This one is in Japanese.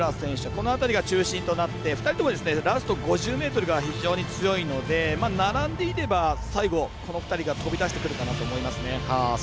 この辺りが中心となって２人ともラスト５０ｍが非常に強いので、並んでいれば最後、この２人が飛び出してくるかなと思いますね。